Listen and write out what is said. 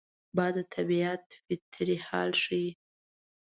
باد د طبیعت فطري حال ښيي